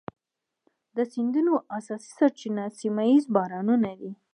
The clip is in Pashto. د سیندونو اساسي سرچینه سیمه ایز بارانونه دي.